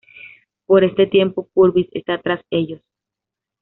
Por este tiempo Purvis está tras ellos.